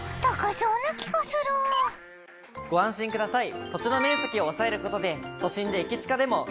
ご安心ください。